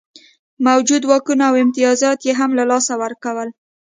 موجوده واکونه او امتیازات یې هم له لاسه ورکول.